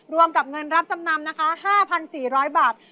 รวมกับเงินรับจำนำนะคะ๕๔๐๐บาท